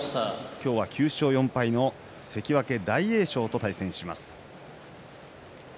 今日は、９勝４敗の関脇大栄翔と対戦します。